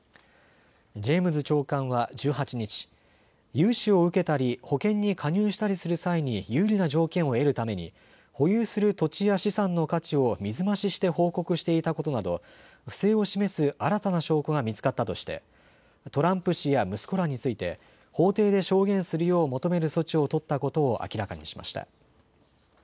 ジェームズ長官は１８日、融資を受けたり保険に加入したりする際に有利な条件を得るために保有する土地や資産の価値を水増しして報告していたことなど不正を示す新たな証拠が見つかったとしてトランプ氏や息子らについて法廷で証言するよう求める措置を取ったことを明らかにしました。